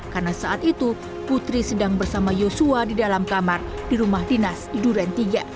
karena saat itu putri sedang bersama yosua di dalam kamar di rumah dinas iduran tiga